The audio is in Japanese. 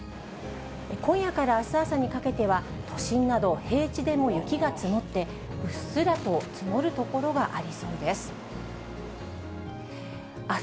今夜からあす朝にかけては、都心など平地でも雪が積もって、うっすらと積もる所がありそうです。